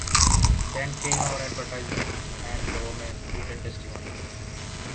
Then came our advertisement and the woman's written testimony.